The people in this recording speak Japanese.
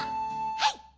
はい。